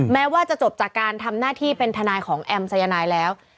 แม้ว่าจะจบจากการทำหน้าที่เป็นทนายของแอมสายนายแล้ว